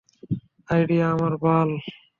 Idea আমার বাল!